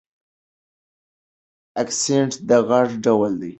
اکسنټ د غږ ډول دی.